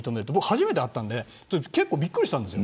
初めて会ったんで結構、びっくりしたんです。